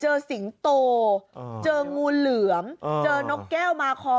สิงโตเจองูเหลือมเจอนกแก้วมาคอ